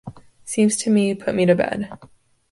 Seems to me you put me to bed.